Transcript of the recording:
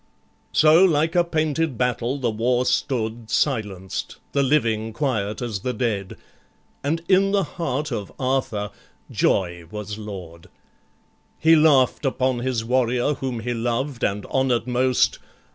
So like a painted battle the war stood Silenced, the living quiet as the dead, And in the heart of Arthur joy was lord. He laugh'd upon his warrior whom he loved And honor'd most.